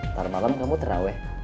ntar malam kamu terawih